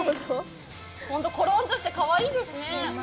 ほんとコロンとして、かわいいですね。